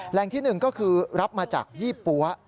แหล่งที่๑ก็คือรับมาจากยี่ปั๊ว